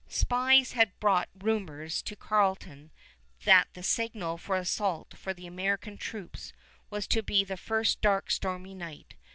Spies had brought rumors to Carleton that the signal for assault for the American troops was to be the first dark stormy night.